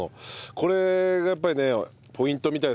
これがやっぱりねポイントみたいですね。